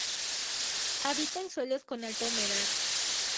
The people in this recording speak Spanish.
Habita en suelos con alta humedad.